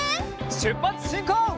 しゅっぱつしんこう！